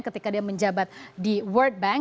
ketika dia menjabat di world bank